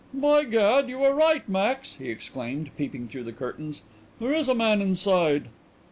"By gad, you are right, Max!" he exclaimed, peeping through the curtains. "There is a man inside."